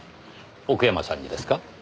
奥山さんにですか？